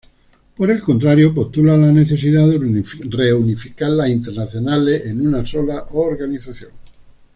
Por el contrario, postula la necesidad de reunificar las internacionales en una sola organización.